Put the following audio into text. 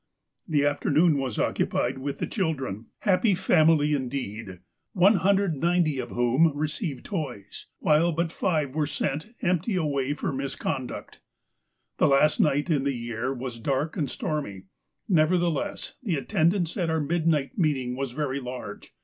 "The afternoon was occupied with the children, — happy 314 THE APOSTLE OF ALASKA family, indeed ! 190 of whom received toys — while but five were sent empty away for misconduct. " The last night in the year was dark and stormy; neverthe less, the attendance at our midnight meeting was very large.